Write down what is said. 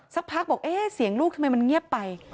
สักพักบอกเอ๊ะเสียงลูกทำไมมันเงียบไป